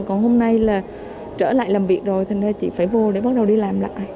còn hôm nay là trở lại làm việc rồi thành nên chị phải vô để bắt đầu đi làm lại